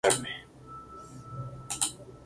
Culminado sus estudios, retornó al Perú.